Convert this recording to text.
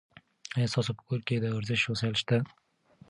ایا ستاسو په کور کې د ورزش وسایل شته؟